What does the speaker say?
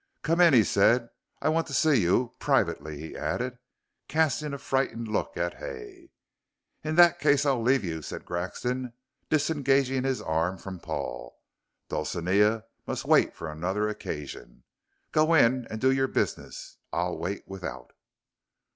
"Come in," he said, "I want to see you privately," he added, casting a frightened look at Hay. "In that case I'll leave you," said Grexon, disengaging his arm from Paul. "Dulcinea must wait for another occasion. Go in and do your business. I'll wait without."